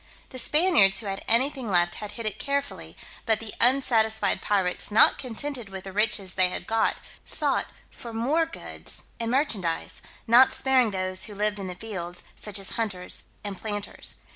The Spaniards who had anything left had hid it carefully: but the unsatisfied pirates, not contented with the riches they had got, sought for more goods and merchandise, not sparing those who lived in the fields, such as hunters and planters.